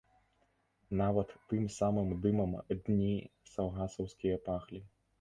Нават тым самым дымам дні саўгасаўскія пахлі.